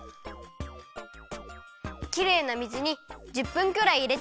きれいな水に１０分くらいいれておくよ。